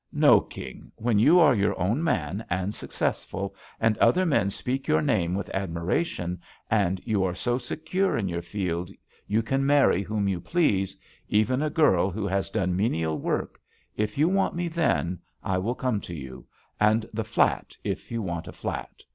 "No, King, when you are your own man and successful and other men speak your name with admiration and you are so secure ^ JUST SWEETHEARTS in your field you can marry whom you please, even a girl who has done menial work — if you want me then, I will come to you, and the flat, if you want a flat.